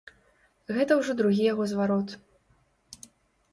Гэта ўжо другі яго зварот.